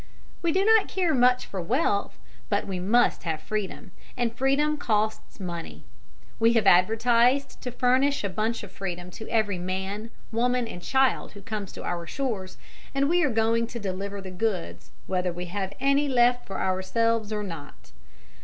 We do not care much for wealth, but we must have freedom, and freedom costs money. We have advertised to furnish a bunch of freedom to every man, woman, and child who comes to our shores, and we are going to deliver the goods whether we have any left for ourselves or not.